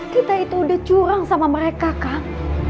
kita itu udah curang sama mereka kang